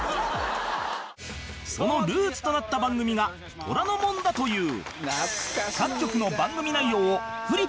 そのルーツとなった番組が『虎の門』だという